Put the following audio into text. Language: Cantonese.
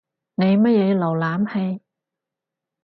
你乜嘢瀏覽器？